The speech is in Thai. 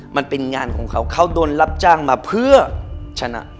มันเป็นงานของเขาเขาโดนรับจ้างมาเพื่อชนะ